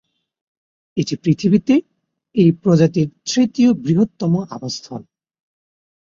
এটি পৃথিবীতে এই প্রজাতির তৃতীয় বৃহত্তম আবাসস্থল।